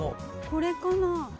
これかな？